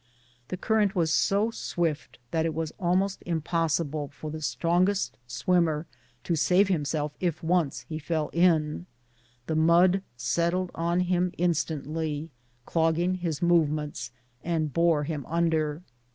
The current was so swift that it was almost impossible for the strongest swimmer to save himself if once he fell in : the mud settled on him instantly, clogged his movements, and bore him under.